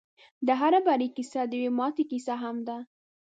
د هر بري کيسه د يوې ماتې کيسه هم ده.